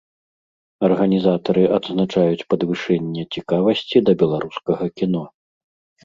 Арганізатары адзначаюць падвышэнне цікавасці да беларускага кіно.